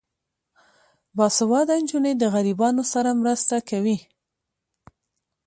باسواده نجونې د غریبانو سره مرسته کوي.